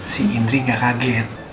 si indri gak kaget